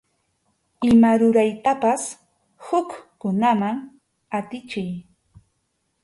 Ima ruraytapas hukkunaman atichiy.